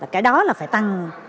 cái đó là phải tăng